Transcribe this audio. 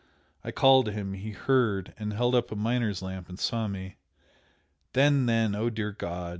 I called him he heard, and held up a miner's lamp and saw me! then then, oh, dear God!